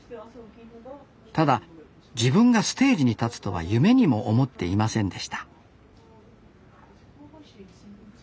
ただ自分がステージに立つとは夢にも思っていませんでした